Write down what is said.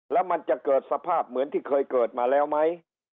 แล้วมันจะเกิดสภาพเหมือนที่เคยเกิดมาแล้วไหม